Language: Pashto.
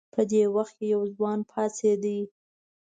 په دې وخت کې یو ځوان پاڅېد.